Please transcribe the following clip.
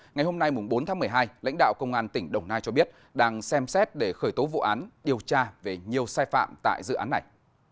ngày hôm nay bốn tháng một mươi hai lãnh đạo công an tỉnh đồng nai cho biết đang xem xét để khởi tố vụ án điều tra về nhiều sai phạm tại dự án này